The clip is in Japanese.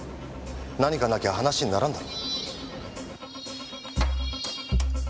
何かなきゃ話にならんだろ。